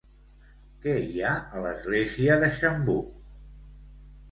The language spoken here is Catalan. Què hi ha a l'església de Chambou?